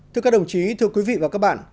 thưa các đồng chí thưa quý vị và các bạn